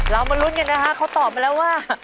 มาลุ้นกันนะฮะเขาตอบมาแล้วว่า